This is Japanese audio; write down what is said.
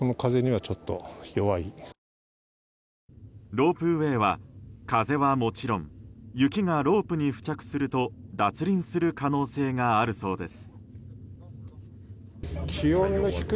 ロープウェーは、風はもちろん雪がロープに付着すると脱輪する可能性があるそうです。